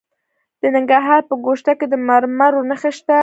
د ننګرهار په ګوشته کې د مرمرو نښې شته.